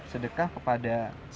sedekah kepada apa